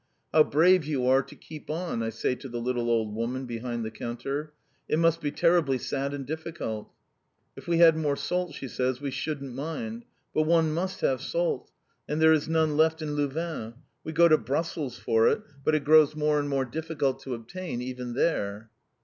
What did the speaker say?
"How brave you are to keep on," I say to the little old woman behind the counter. "It must be terribly sad and difficult." "If we had more salt," she says, "we shouldn't mind! But one must have salt. And there is none left in Louvain. We go to Brussels for it, but it grows more and more difficult to obtain, even there."